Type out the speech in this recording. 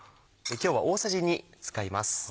今日は大さじ２使います。